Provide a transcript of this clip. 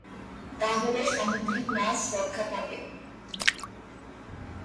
তাহলে সামুদ্রিক মাছ রক্ষা পাবে।